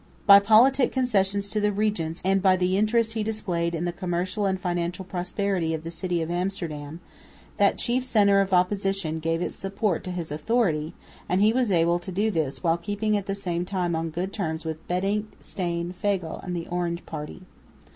By politic concessions to the regents, and by the interest he displayed in the commercial and financial prosperity of the city of Amsterdam, that chief centre of opposition gave its support to his authority; and he was able to do this while keeping at the same time on good terms with Bentinck, Steyn, Fagel and the Orange party.